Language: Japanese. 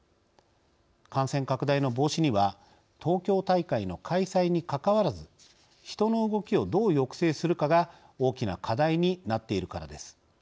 感染拡大の防止には東京大会の開催にかかわらず人の動きをどう抑制するかが大きな課題になっているからです。